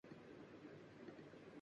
رکھے امام سے جو بغض، کیا کہیں اُس کو؟